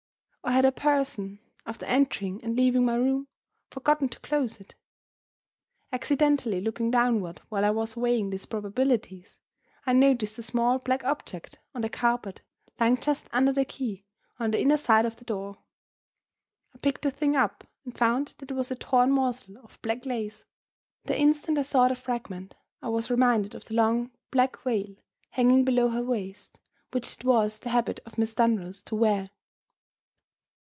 or had a person, after entering and leaving my room, forgotten to close it? Accidentally looking downward while I was weighing these probabilities, I noticed a small black object on the carpet, lying just under the key, on the inner side of the door. I picked the thing up, and found that it was a torn morsel of black lace. The instant I saw the fragment, I was reminded of the long black veil, hanging below her waist, which it was the habit of Miss Dunross to wear.